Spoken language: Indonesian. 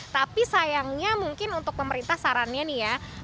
tapi sayangnya mungkin untuk pemerintah sarannya nih ya